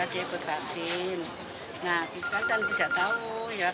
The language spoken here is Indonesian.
pihak keluarga sendiri masih belum bisa memberikan ketepatan